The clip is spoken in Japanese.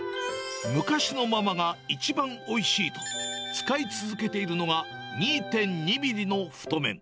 昔のままが一番おいしいと、使い続けているのが、２．２ミリの太麺。